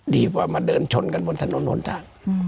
ดีกว่ามาเดินชนกันบนถนนหนทาง